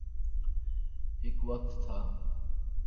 ایک وقت تھا۔